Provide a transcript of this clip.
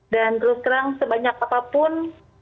dan terus terang sebanyak apapun